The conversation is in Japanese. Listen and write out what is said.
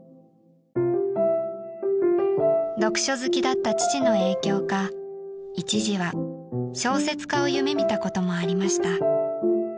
［読書好きだった父の影響か一時は小説家を夢見たこともありました］